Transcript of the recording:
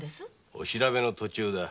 お調べの途中だ。